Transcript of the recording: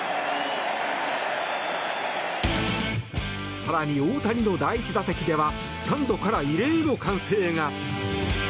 更に大谷の第１打席ではスタンドから異例の歓声が。